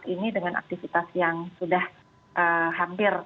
saat ini dengan aktivitas yang sudah hampir selesai